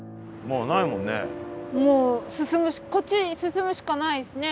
もう進むしかこっちに進むしかないですね。